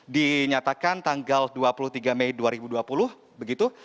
dinyatakan tanggal dua puluh tiga mei dua ribu dua puluh begitu